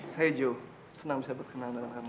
saya joe senang bisa berkenalan dengan kamu